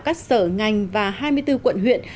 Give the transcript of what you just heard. các sở ngành và hai mươi bốn quận huyện